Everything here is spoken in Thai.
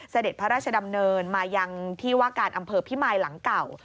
เสด็จพระราชดำเนินมายังที่ว่าการอำเภอพิมายหลังเก่า